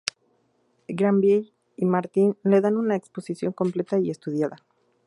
Granville y Martin le dan una exposición completa y estudiada.